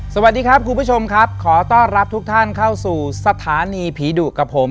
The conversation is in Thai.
สวัสดีครับคุณผู้ชมครับขอต้อนรับทุกท่านเข้าสู่สถานีผีดุกับผม